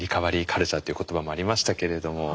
カルチャーという言葉もありましたけれども